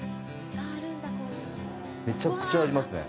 めちゃくちゃありますね！